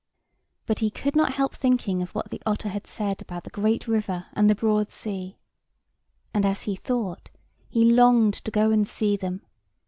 But he could not help thinking of what the otter had said about the great river and the broad sea. And, as he thought, he longed to go and see them.